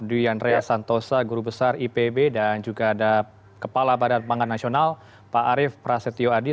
dwi yandria santosa guru besar ipb dan juga ada kepala badan pangan nasional pak arief prasetyo adi